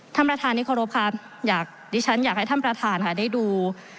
ท่านประธานที่เคารพครับดิฉันอยากให้ท่านประธานค่ะได้ดู